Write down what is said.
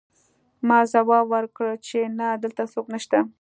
ما ځواب ورکړ چې نه دلته څوک نشته